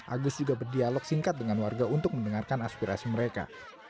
agus juga berdialog singkat dengan warga untuk mendengarkan aspirasi mereka